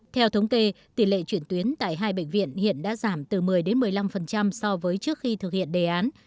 theo thống kê tỷ lệ chuyển tuyến tại hai bệnh viện hiện đã giảm từ một mươi một mươi năm so với trước khi thực hiện đề án